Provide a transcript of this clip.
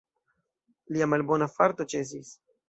Lia malbona farto ĉesis.